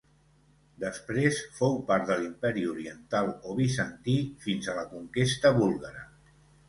Després fou part de l'Imperi oriental o bizantí fins a la conquesta búlgara.